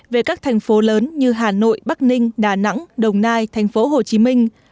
về các thành phố lớn như hà nội bắc ninh đà nẵng đồng nai thành phố hồ chí minh